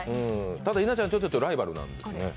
ただ、稲ちゃんにとってはライバルなんですよね。